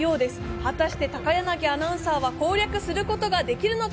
果たして高柳アナウンサーは攻略することはできるのか？